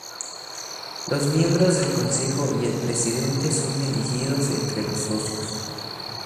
Los miembros del Consejo y el Presidente son elegidos entre los Socios.